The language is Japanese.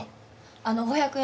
あの５００円